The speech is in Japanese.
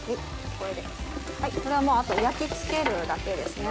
これを焼き付けるだけですね。